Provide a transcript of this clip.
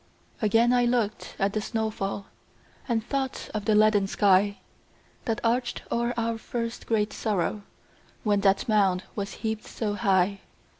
Again I looked at the snow fall, And thought of the leaden sky That arched o'er our first great sorrow, When that mound was heaped so high.